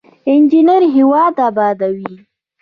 انجینر هیواد ابادوي